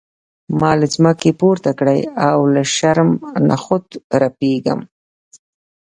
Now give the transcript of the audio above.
ما له ځمکې پورته کړي ما له شرم نخوت رپیږم.